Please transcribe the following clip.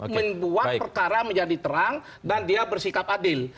membuat perkara menjadi terang dan dia bersikap adil